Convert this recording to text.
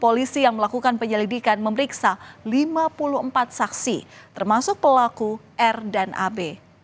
polisi yang melakukan penyelidikan memeriksa lima puluh empat saksi termasuk pelaku r dan ab